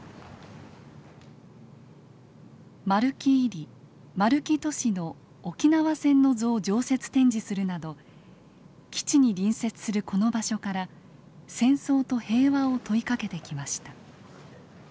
丸木位里・丸木俊の「沖縄戦の図」を常設展示するなど基地に隣接するこの場所から戦争と平和を問いかけてきました。